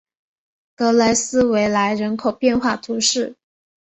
格雷斯维莱人口变化图示